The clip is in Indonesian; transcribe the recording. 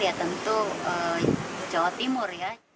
ya tentu jawa timur ya